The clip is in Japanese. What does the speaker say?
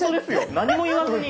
何も言わずに。